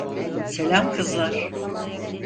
Selam kızlar.